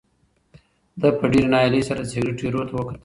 ده په ډېرې ناهیلۍ سره د سګرټ ایرو ته وکتل.